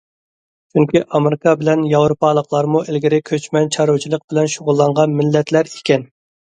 چۈنكى ئامېرىكا بىلەن ياۋروپالىقلارمۇ ئىلگىرى كۆچمەن چارۋىچىلىق بىلەن شۇغۇللانغان مىللەتلەر ئىكەن.